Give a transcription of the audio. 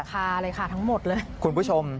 ค่าเลยค่ะทั้งหมดเลย